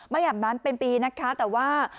ไม่อาบนั้นเป็นปีนะคะแต่ว่า